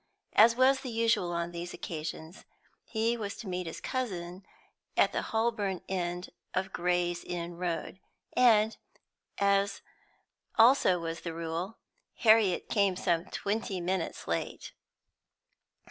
As was usual on these occasions, he was to meet his cousin at the Holborn end of Gray's Inn Road, and, as also was the rule, Harriet came some twenty minutes late.